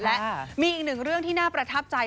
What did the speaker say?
และมีอีกหนึ่งเรื่องที่น่าประทับใจ